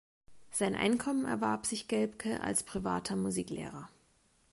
Sein Einkommen erwarb sich Gelbke als Privater Musiklehrer.